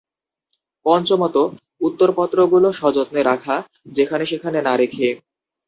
পঞ্চমত, উত্তরপত্রগুলো সযত্নে রাখা, যেখানে সেখানে না রেখে।